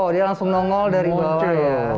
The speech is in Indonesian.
oh dia langsung nongol dari bawah ya